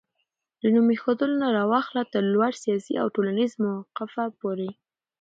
له نوم ايښودلو نه راواخله تر لوړ سياسي او ټولنيز موقفه پورې